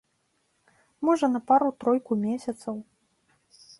Можа, на пару-тройку месяцаў.